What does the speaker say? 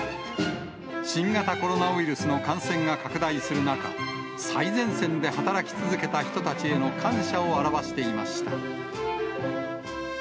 新型コロナウイルスの感染が拡大する中、最前線で働き続けた人たちへの感謝を表していました。